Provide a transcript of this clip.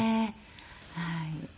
はい。